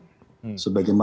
sebagai marah sampai ke sini